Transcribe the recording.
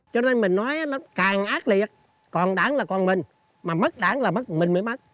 cho nên mình nói nó càng ác liệt còn đảng là con mình mà mất đảng là mất mình mới mất